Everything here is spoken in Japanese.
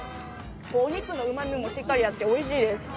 お肉のうまみもしっかりあって、おいしいです。